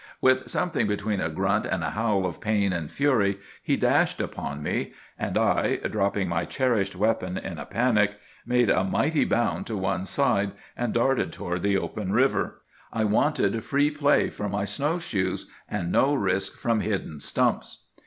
"With something between a grunt and a howl of pain and fury he dashed upon me; and I, dropping my cherished weapon in a panic, made a mighty bound to one side and darted toward the open river. I wanted free play for my snow shoes, and no risk from hidden stumps.